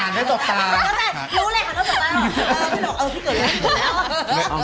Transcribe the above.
ไม่รู้เออพี่เกิดแล้วพี่เกิดแล้ว